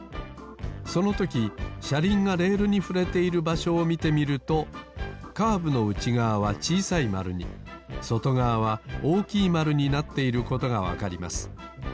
そのときしゃりんがレールにふれているばしょをみてみるとカーブのうちがわは小さいまるにそとがわは大きいまるになっていることがわかります。